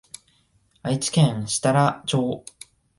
愛知県設楽町